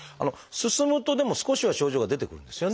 進むとでも少しは症状が出てくるんですよね。